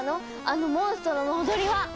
あのモンストロの踊りは！